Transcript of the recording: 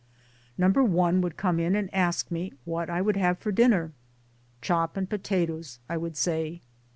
No. i would come in and ask me what I would have for dinner. " Chop and potatoes," I would say.